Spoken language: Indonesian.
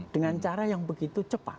dengan cara yang begitu cepat